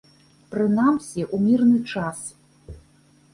Прынамсі ў мірны час.